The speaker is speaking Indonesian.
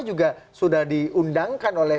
juga sudah diundangkan oleh